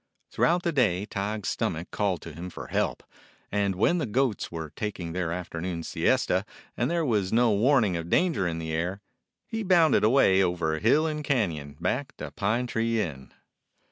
Throughout the day Tige's stomach called to him for help, and when the goats were tak ing their afternoon siesta and there was no warning of danger in the air, he bounded away over hill and canon, back to Pine Tree Inn.